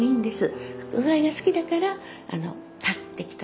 風合いが好きだから買ってきた。